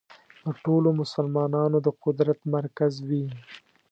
د ټولو مسلمانانو د قدرت مرکز وي.